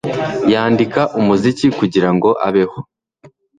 Yandika umuziki kugirango abeho